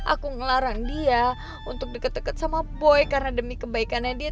aku ngelarang dia untuk deket deket sama boy karena demi kebaikannya dia